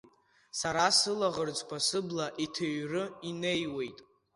Сара сылаӷырӡқәа сыбла иҭыҩры инеиуеит.